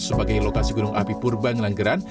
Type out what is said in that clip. sebagai lokasi gunung api purbang ngelanggeran